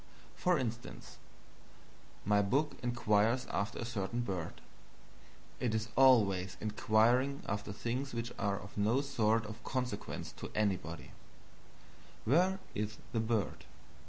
For instance, my book inquires after a certain bird (it is always inquiring after things which are of no sort of consequence to anybody): "Where is the bird?"